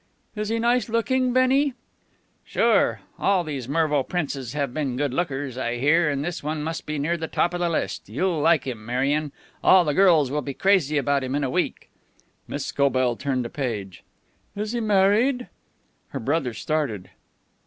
"Is he nice looking, Bennie?" "Sure. All these Mervo princes have been good lookers, I hear, and this one must be near the top of the list. You'll like him, Marion. All the girls will be crazy about him in a week." Miss Scobell turned a page. "Is he married?" Her brother started.